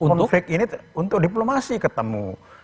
untuk ini untuk diplomasi ketemu